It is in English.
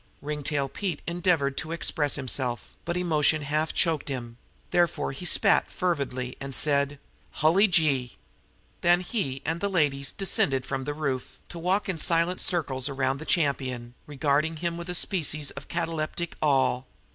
Ringtail Pete endeavored to express himself, but emotion choked him; therefore he spat fervidly and said: "Hully gee!" Then he and the ladies descended from the roof, to walk in silent circles around the champion, regarding him with a species of cataleptic awe.